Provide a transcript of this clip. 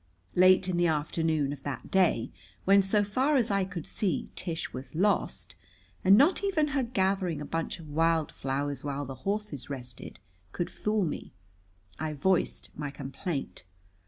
Late in the afternoon of that day, when so far as I could see Tish was lost, and not even her gathering a bunch of wild flowers while the horses rested could fool me, I voiced my complaint.